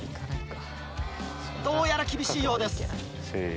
どうやら厳しいようです。